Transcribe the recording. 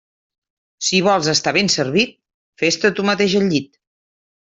Si vols estar ben servit, fes-te tu mateix el llit.